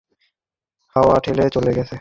হাওয়া ঠেলে চলে গেছে।